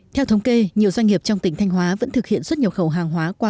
theo thống kê nhiều doanh nghiệp trong tỉnh thanh hóa vẫn thực hiện xuất nhập khẩu hàng hóa qua